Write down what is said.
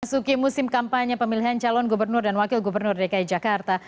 masuki musim kampanye pemilihan calon gubernur dan wakil gubernur dki jakarta